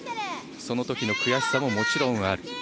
そのときの悔しさももちろんある。